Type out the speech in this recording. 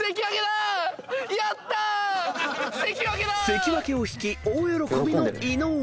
［関脇を引き大喜びの伊野尾］